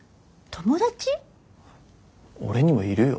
俺にもいるよ